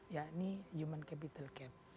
yakni human capital gap